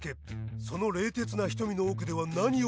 その冷徹な瞳の奥では何を思うのか。